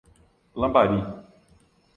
Lambari